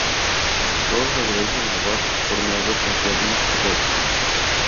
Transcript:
Todos le agradecen a Bart por no haber confiado en Bob.